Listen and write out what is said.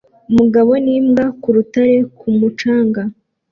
Umugabo n'imbwa ku rutare ku mucanga